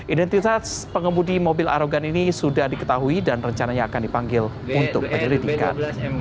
identitas pengemudi mobil arogan ini sudah diketahui dan rencananya akan dipanggil untuk penyelidikan